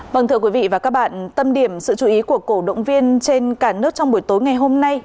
vâng thưa quý vị và các bạn tâm điểm sự chú ý của cổ động viên trên cả nước trong buổi tối ngày hôm nay